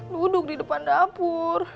duduk di depan dapur